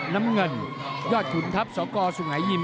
น้ำเงินยอดขุนทัพสกสุงหายิม